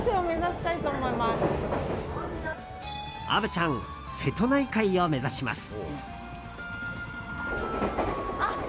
虻ちゃん瀬戸内海を目指します。